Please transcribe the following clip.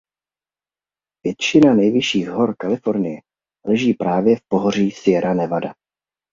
Většina nejvyšších hor Kalifornie leží právě v pohoří Sierra Nevada.